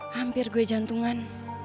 hampir gue jantungan